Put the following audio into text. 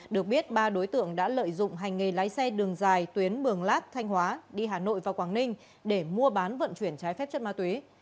được biết ba đối tượng đã lợi dụng hành nghề lái xe đường dài tuyến mường lát thanh hóa đi hà nội và quảng ninh để mua bán vận chuyển trái phép chất ma túy